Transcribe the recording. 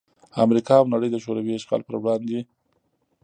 امریکا او نړۍ دشوروي اشغال پر وړاندې